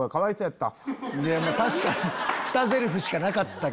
確かにふたゼリフしかなかったけど。